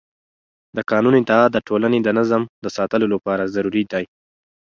د قانون اطاعت د ټولنې د نظم د ساتلو لپاره ضروري دی